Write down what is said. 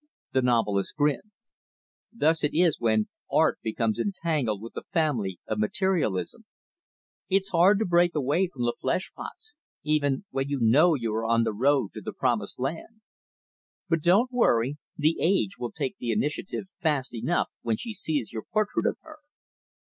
The novelist grinned. "Thus it is when 'Art' becomes entangled with the family of 'Materialism.' It's hard to break away from the flesh pots even when you know you are on the road to the Promised Land. But don't worry 'The Age' will take the initiative fast enough when she sees your portrait of her.